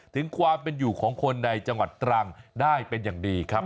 ถึงความเป็นอยู่ของคนในจังหวัดตรังได้เป็นอย่างดีครับ